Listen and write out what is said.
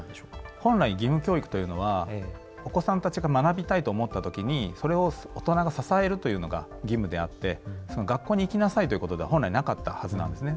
本来義務教育というのはお子さんたちが学びたいと思った時にそれを大人が支えるというのが義務であって学校に行きなさいということでは本来なかったはずなんですね。